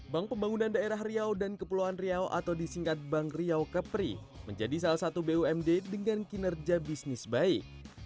bank pembangunan daerah riau dan kepulauan riau atau disingkat bank riau kepri menjadi salah satu bumd dengan kinerja bisnis baik